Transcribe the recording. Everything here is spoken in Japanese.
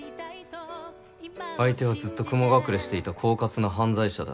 相手はずっと雲隠れしていた狡猾な犯罪者だ。